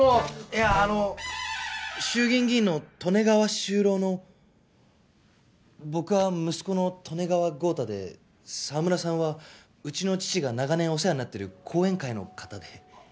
いやあの衆議院議員の利根川周郎の僕は息子の利根川豪太で澤村さんはうちの父が長年お世話になってる後援会の方で。